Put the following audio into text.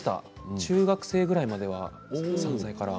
中学生くらいまでは３歳から。